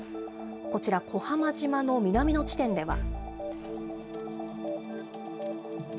こちら、小浜島の南の地点では。